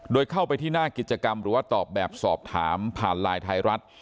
โดยเข้าไปที่หน้ากิจกรรมหรือว่าตอบแบบสอบถามผ่านไลน์ไทยรัฐ